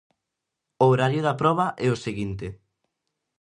O horario da proba é o seguinte: